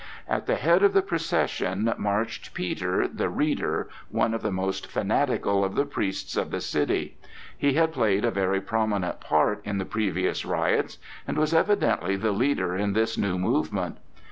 At the head of the procession marched Peter, the reader, one of the most fanatical of the priests of the city; he had played a very prominent part in the previous riots, and was evidently the leader in this new movement.